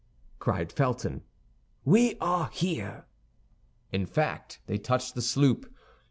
cried Felton; "we are here." In fact, they touched the sloop.